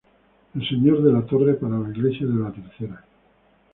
El "Señor de la Torre", para la iglesia de la Tercera.